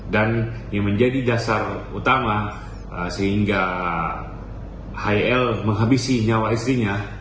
dan yang menjadi dasar utama sehingga hil menghabisi nyawa istrinya